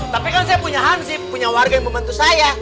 tapi kan saya punya hanzim punya warga yang membantu saya